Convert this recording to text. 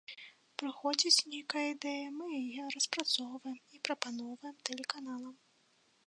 Прыходзіць нейкая ідэя, мы яе распрацоўваем і прапаноўваем тэлеканалам.